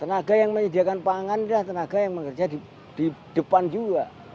tenaga yang menyediakan pangan adalah tenaga yang bekerja di depan juga